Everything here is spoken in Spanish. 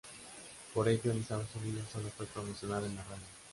Por ello, en Estados Unidos sólo fue promocionado en la radio.